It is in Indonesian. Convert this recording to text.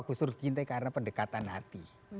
gustur cintai karena pendekatan hati